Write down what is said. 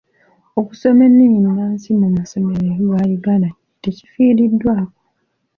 Okusoma ennimi ennansi mu masomero ga Uganda tekifiiriddwako.